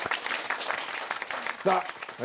さあ